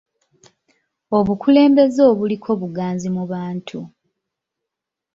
Obukulembeze obuliko buganzi mu bantu.